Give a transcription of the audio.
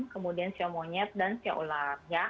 kemudian ceo monyet dan ceo ular